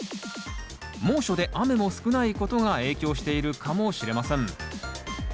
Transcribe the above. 猛暑で雨も少ないことが影響しているかもしれません。